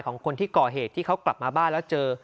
ของคนที่ก่อเหตุที่เขากลับมาบ้านแล้วเจอ